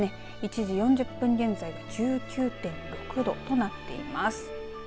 １時４０分現在１９．６度となっています。